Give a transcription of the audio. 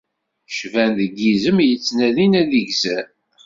Cban deg yizem yettnadin ad igzer.